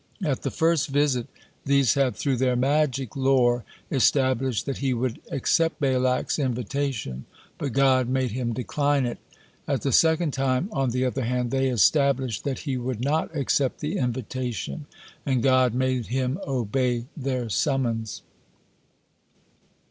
At the first visit these had through their magic lore established that he would accept Balak's invitation, but God made him decline it; at the second time, on the other hand, they established that he would not accept the invitation, and God made him obey their summons.